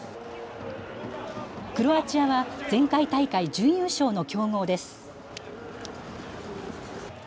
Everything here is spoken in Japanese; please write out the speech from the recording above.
クロアチアは前回大会準優勝の強豪です。